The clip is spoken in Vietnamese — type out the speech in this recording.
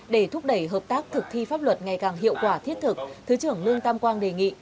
để thúc đẩy hợp tác thực thi pháp luật ngày càng hiệu quả thiết thực thứ trưởng lương tam quang đề nghị